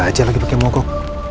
aja lagi pakai mogok